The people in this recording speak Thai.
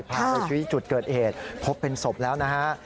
พาไปชี้จุดเกิดเหตุพบเป็นศพแล้วนะฮะ